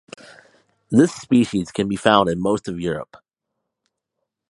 This species can be found in most of Europe.